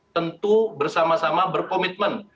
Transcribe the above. tentu bersama sama berkomitmen